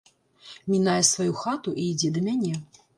Мінае сваю хату, і ідзе да мяне.